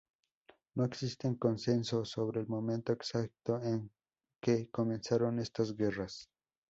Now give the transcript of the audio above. No existe consenso sobre el momento exacto en que comenzaron estas guerras.